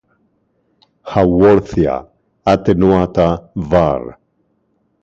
Haworthia attenuata var.